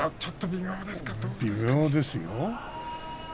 微妙ですよ